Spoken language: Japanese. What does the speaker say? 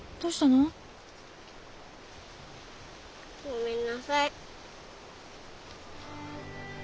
ごめんなさい。